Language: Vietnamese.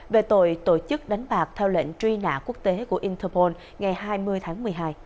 về tội tổ chức đánh bạc theo lệnh truy nã quốc tế của interpol ngày hai mươi tháng một mươi hai